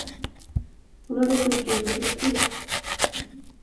Hon har rätt mycket integritet.